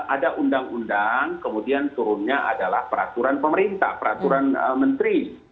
ada undang undang kemudian turunnya adalah peraturan pemerintah peraturan menteri